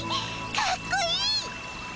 かっこいい！